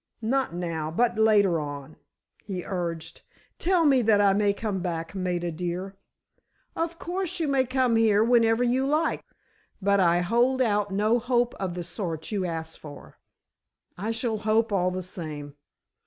"Not now, but later on," he urged. "Tell me that I may come back, Maida dear." "Of course you may come here, whenever you like, but I hold out no hope of the sort you ask for." "I shall hope all the same.